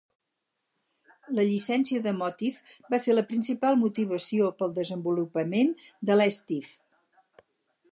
La llicència de Motif va ser la principal motivació pel desenvolupament de LessTif.